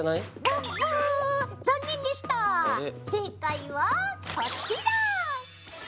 正解はこちら！